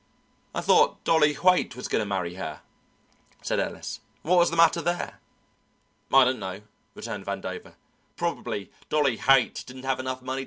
"I thought Dolly Haight was going to marry her," said Ellis. "What was the matter there?" "I don't know," returned Vandover; "probably Dolly Haight didn't have enough money to suit her.